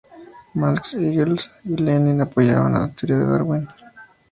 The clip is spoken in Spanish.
Marx, Engels y Lenin apoyaban la teoría de Darwin.